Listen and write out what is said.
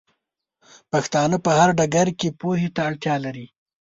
پښتانۀ په هر ډګر کې پوهې ته ډېره اړتيا لري